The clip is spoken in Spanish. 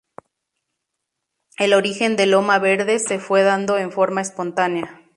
El origen de Loma Verde se fue dando en forma espontánea.